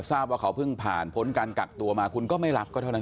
ทราบว่าเขาเพิ่งผ่านพ้นการกักตัวมาคุณก็ไม่รับก็เท่านั้น